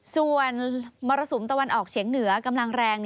ส่วนมรสุมตะวันออกเฉียงเหนือกำลังแรง